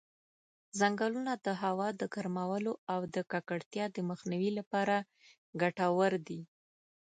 ځنګلونه د هوا د ګرمولو او د ککړتیا د مخنیوي لپاره ګټور دي.